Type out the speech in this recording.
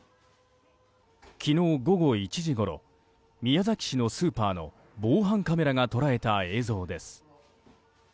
昨日午後１時ごろ宮崎市のスーパーの防犯カメラが捉えた映像です。